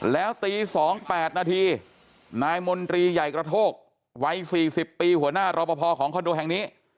แล้วตี๒๘นาทีนายมนตรีใหญ่กระโทกวัย๔๐ปีหัวหน้ารอปภของคอนโดแห่งนี้